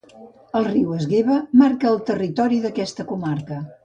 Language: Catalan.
El riu Esgueva marca el territori d'aquesta comarca.